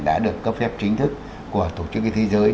đã được cấp phép chính thức của tổ chức y thế giới